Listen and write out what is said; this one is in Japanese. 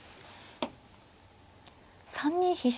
３二飛車